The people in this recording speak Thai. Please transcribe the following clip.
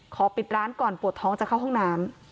ปิดร้านก่อนปวดท้องจะเข้าห้องน้ำ